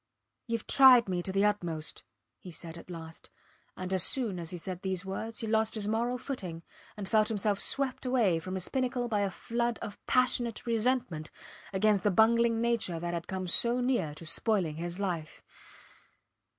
Youve tried me to the utmost, he said at last; and as soon as he said these words he lost his moral footing, and felt himself swept away from his pinnacle by a flood of passionate resentment against the bungling creature that had come so near to spoiling his life.